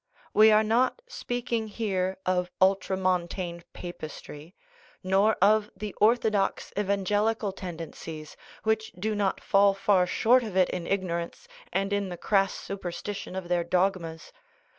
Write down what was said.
We are not speaking here of ultramontane papistry, nor of the orthodox evangel ical tendencies, which do not fall far short of it in igno rance and in the crass superstition of their dogmas.